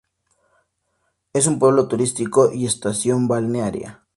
Es un pueblo turístico y estación balnearia.